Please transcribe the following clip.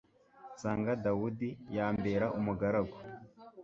nsanga dawudi yambera umugaragu